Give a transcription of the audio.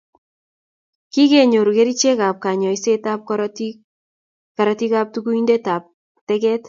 kikenyoru kerichekab kanyoisetab koroitab tunguyondetab teket.